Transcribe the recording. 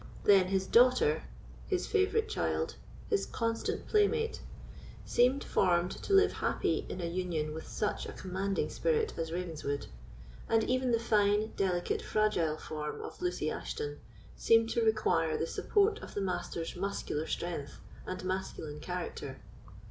Then his daughter—his favorite child—his constant playmate—seemed formed to live happy in a union with such a commanding spirit as Ravenswood; and even the fine, delicate, fragile form of Lucy Ashton seemed to require the support of the Master's muscular strength and masculine character.